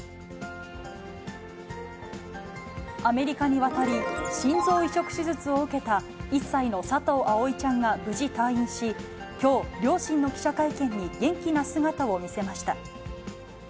アメリカに渡り、心臓移植手術を受けた１歳の佐藤葵ちゃんが無事退院し、きょう、両親の記者会見に元気な姿を見せました。